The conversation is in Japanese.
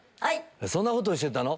「そんなことしてたの⁉」